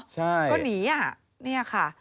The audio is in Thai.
ใช่ก็หนีนี่ค่ะ